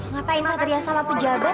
ngapain satria sama pejabat